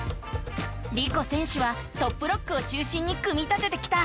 リコ選手はトップロックを中心に組み立ててきた。